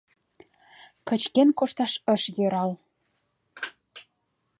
Кычкен кошташ ыш йӧрал.